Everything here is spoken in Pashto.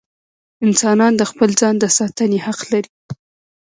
انسانان د خپل ځان د ساتنې حق لري.